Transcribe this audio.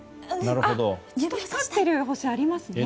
光ってる星、ありますね。